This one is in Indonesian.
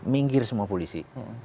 minggir semua polisi